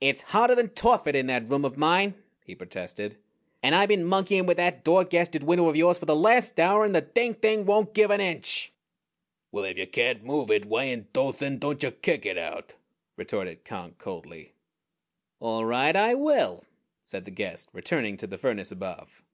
"It's hotter than Tophet in that room of mine," he protested, "and I've been monkeying with that dod gasted window of yours for the last hour, and the dinged thing won't give an inch!" "Well, if ya can't move it, why in Dothan dontcha kick it out?" retorted Conk coldly. "All right, I will," said the guest, returning to the furnace above.